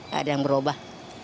gak ada yang berubah